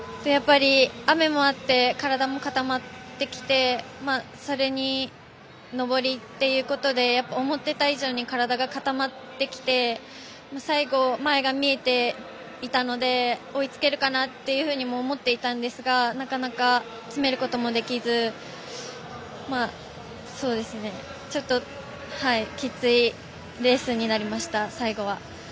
雨もあって体も固まってきてそれに上りということで思っていた以上に体が固まってきて最後、前が見えていたので追いつけるかなとも思っていたんですがなかなか詰めることもできずちょっと、きついレースになりました最後は。